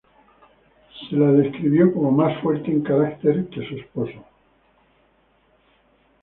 Se la describió como "más fuerte en carácter que su esposo".